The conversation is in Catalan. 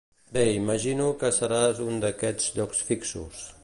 Bé, imagino que serà un d'aquests llocs fixos.